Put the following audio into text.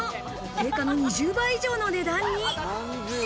定価の２０倍以上の値段に。